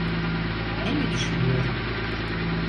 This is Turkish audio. Ne mi düşünüyorum?